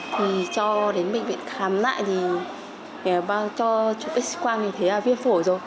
thì cho đến bệnh viện khám lại thì cho chú bích quang thì thấy viên phổi rồi